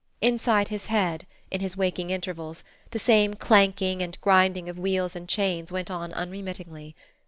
Inside his head, in his waking intervals, the same clanking and grinding of wheels and chains went on unremittingly.